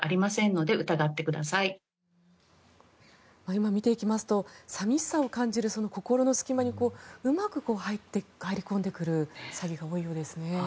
今見ていきますと寂しさを感じる心の隙間にうまく入り込んでくる詐欺が多いようですね。